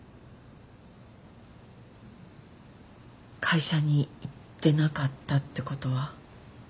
会社に行ってなかったってことは？